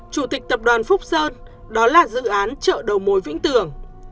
chủ tịch tập đoàn phúc sơn đó là dự án chợ đầu mối vĩnh tường